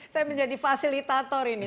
saya menjadi fasilitator ini